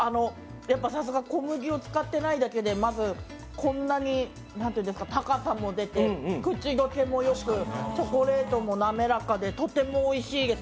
やっぱさすが小麦を使っていないだけでまず、こんなに高さも出て口溶けもよくチョコレートも滑らかでとてもおいしいです。